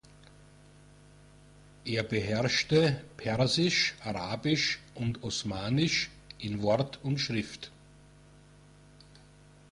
Er beherrschte Persisch, Arabisch und Osmanisch in Wort und Schrift.